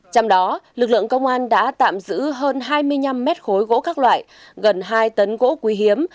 trong đó lực lượng công an đã tạm giữ hơn hai mươi năm mét khối gỗ các loại gần hai tấn gỗ quý hiếm